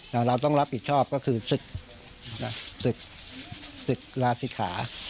แล้วเราต้องรับผิดชอบก็คือศึกศึกลาศิกขา